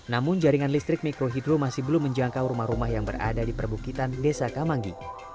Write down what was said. namun jaringan listrik mikrohidro masih belum menjangkau rumah rumah yang berada di perbukitan desa kamanggi